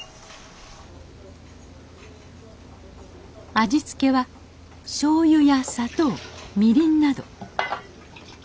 味付けはしょうゆや砂糖みりんなど。